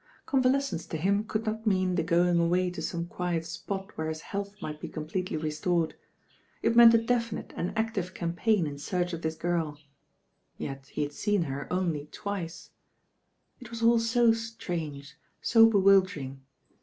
Convalescence to him could not mean the goinjc away to some quiet spot where his health might be completely restored. It meant a definite and active campaign m search of this girl; yet he had seen her only twice. It was aU so strange, so bewildering.